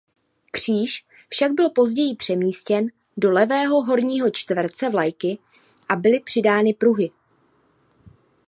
Kříž však byl později přemístěn do levého horního čtverce vlajky a byly přidány pruhy.